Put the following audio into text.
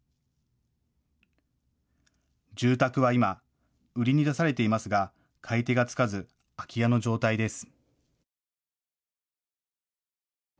住宅は今、売りに出されていますが買い手がつかず空き家の状態です。